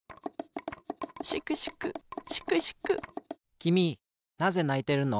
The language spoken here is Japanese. きみなぜないてるの？